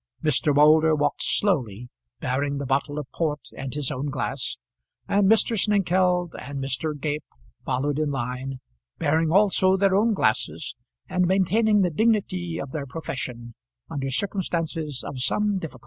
Mr. Moulder walked slowly, bearing the bottle of port and his own glass, and Mr. Snengkeld and Mr. Gape followed in line, bearing also their own glasses, and maintaining the dignity of their profession under circumstances of some difficulty.